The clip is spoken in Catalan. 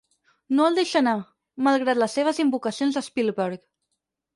No el deixa anar, malgrat les seves invocacions a Spielberg.